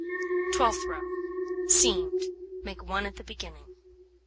Twelfth row: Seamed, make 1 at the beginning.